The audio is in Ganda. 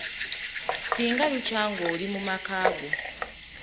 Singa lukya ng'oli mu maka go.